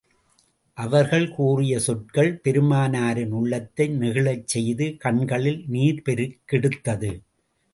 அவர்கள் கூறிய சொற்கள், பெருமானாரின் உள்ளத்தை நெகிழச் செய்து, கண்களில் நீர் பெருக்கெடுத்தது.